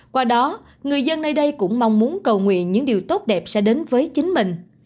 qua đó người dân nơi đây cũng mong muốn cầu nguyện những điều tốt đẹp sẽ đến với chính mình